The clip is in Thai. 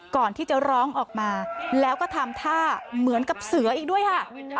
ก่อนที่จะร้องออกมาแล้วก็ทำท่าเหมือนกับเสืออีกด้วยค่ะ